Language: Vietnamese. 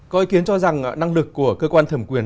có ý kiến cho rằng năng lực của cơ quan thẩm quyền